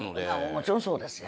もちろんそうですよ。